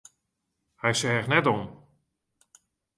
Hy seach net om.